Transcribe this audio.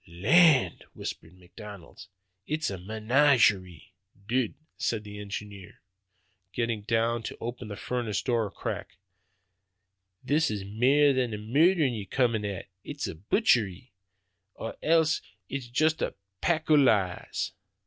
'Land,' whispers McDonald, 'it's a meenadgerie!'" "Dud," said the engineer, getting down to open the furnace door a crack, "this is mair than murder ye're comin' at; it's a buitchery or else it's juist a pack o' lees."